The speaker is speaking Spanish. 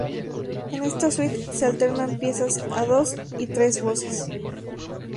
En esta suite se alternan piezas a dos y tres voces.